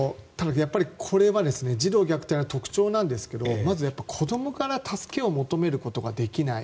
これは児童虐待の特徴なんですがまず子供から助けを求めることができない。